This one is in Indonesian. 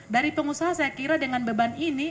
dari pengusaha saya kira dengan beban ini